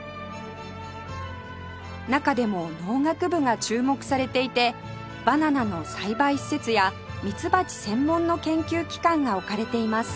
中でも農学部が注目されていてバナナの栽培施設やミツバチ専門の研究機関が置かれています